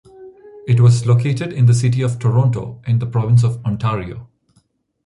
It was located in the City of Toronto, in the province of Ontario.